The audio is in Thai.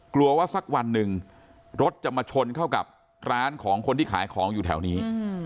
กลัวว่าสักวันหนึ่งรถจะมาชนเข้ากับร้านของคนที่ขายของอยู่แถวนี้